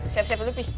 siap siap dulu pi